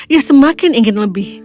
ia semakin ingin lebih